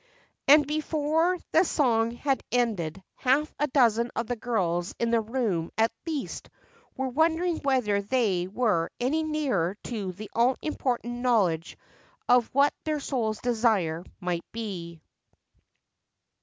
And before the song had ended, half a dozen of the girls in the room at least were wondering whether they were any nearer to the all important knowledge of what their soul's desire might be.